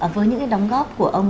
với những cái đóng góp của ông